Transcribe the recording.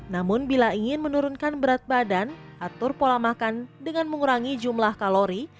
namun bila ingin menurunkan berat badan atur pola makan dengan mengurangi jumlah kalori